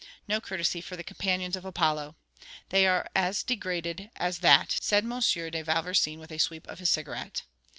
No courtesy for the companions of Apollo! 'They are as degraded as that,' said M. de Vauversin with a sweep of his cigarette.